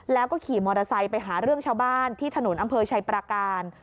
แล้วก็ขี่มอเตอร์ไซค์ไปหาเรื่องชาวบ้านที่ถนนอำเภอชัยประการ